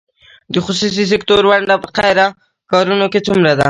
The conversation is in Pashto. د خصوصي سکتور ونډه په خیریه کارونو کې څومره ده؟